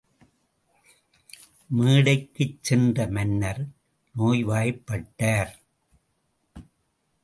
வேட்டைக்குச் சென்ற மன்னர், நோய்வாய்ப்பட்டார்.